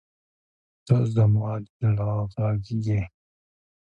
• ته زما د زړه غږ یې.